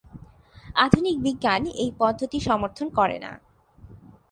আধুনিক বিজ্ঞান এই পদ্ধতি সমর্থন করে না।